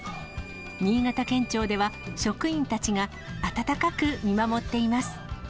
新潟県庁では職員たちが温かく見守っています。